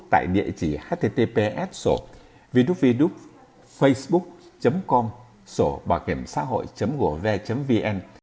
tại địa chỉ https sổ www facebook com sổ bảo hiểm xã hội gov vn